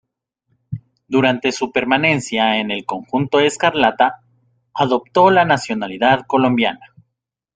Durante su permanencia en el conjunto escarlata, adoptó la nacionalidad colombiana.